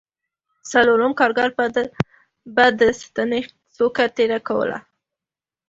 څلورم کارګر به د ستنې څوکه تېره کوله